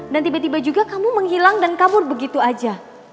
dan tiba tiba juga kamu menghilang dan kabur begitu aja